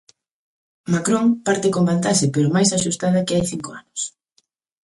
Macron parte con vantaxe pero máis axustada que hai cinco anos.